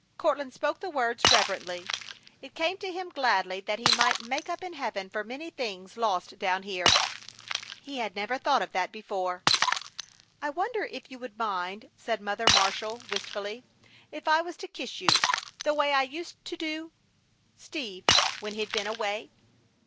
Courtland spoke the words reverently. It came to him gladly that he might make up in heaven for many things lost down here. He had never thought of that before. "I wonder if you would mind," said Mother Marshall, wistfully, "if I was to kiss you, the way I used to do Steve when he'd been away?"